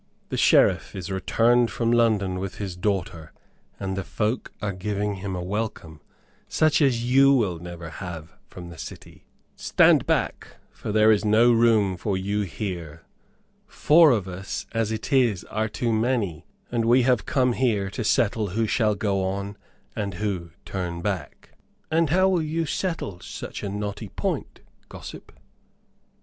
"The Sheriff is returned from London with his daughter, and the folk are giving him a welcome, such as you will never have from the city! Stand back, for there is no room for you there. Four of us as it is are too many, and we have come here to settle who shall go on and who turn back." "And how will you settle such a knotty point, gossip?"